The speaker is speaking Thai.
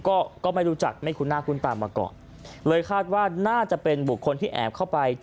ก็ก็ไม่รู้จักไม่คุ้นหน้าคุ้นตามาก่อนเลยคาดว่าน่าจะเป็นบุคคลที่แอบเข้าไป